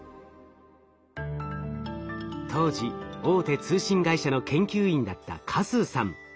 当時大手通信会社の研究員だった嘉数さん。